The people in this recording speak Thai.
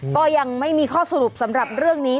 ก็ยังไม่มีข้อสรุปสำหรับเรื่องนี้